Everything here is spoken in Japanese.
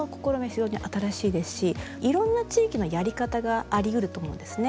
非常に新しいですしいろんな地域のやり方がありうると思うんですね。